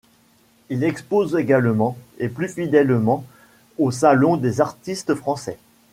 Il expose également, et plus fidèlement, au Salon des artistes français.